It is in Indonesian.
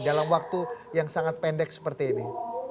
dalam waktu yang sangat pendek seperti ini